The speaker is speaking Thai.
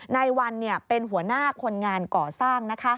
นายวันเป็นหัวหน้าคนงานก่อสร้าง